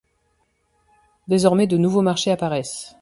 Désormais de nouveaux marchés apparaissent.